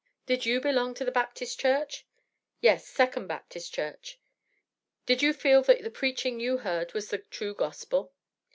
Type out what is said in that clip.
"Did you belong to the Baptist Church?" "Yes, Second Baptist Church." "Did you feel that the preaching you heard was the true Gospel?"